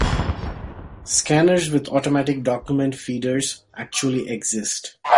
Scanners with automatic document feeders actually exist.